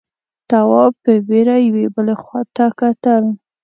تواب په وېره يوې بلې خواته کتل…